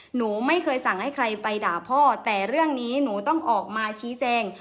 หนูไม่เคยสั่งให้ใครไปด่าพ่อแต่เรื่องนี้หนูต้องออกมาชี้แจง